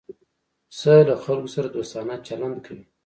پسه له خلکو سره دوستانه چلند کوي.